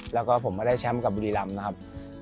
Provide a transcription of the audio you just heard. แล้วก็ผมไม่ได้แชมป์กับบุรีรำนะครับ